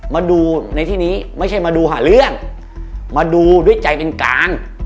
มาดูในที่นี้ไม่ใช่มาดูหาเรื่องมาดูด้วยใจเป็นการ